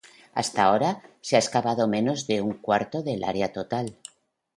Hasta ahora, se ha excavado menos de un cuarto del área total.